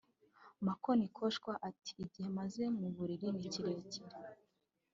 Mako Nikoshwa ati “Igihe maze mu buriri ni kirekire